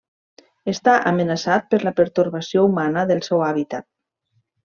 Està amenaçat per la pertorbació humana del seu hàbitat.